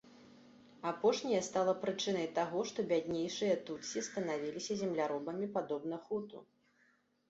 Апошняе стала прычынай таго, што бяднейшыя тутсі станавіліся земляробамі падобна хуту.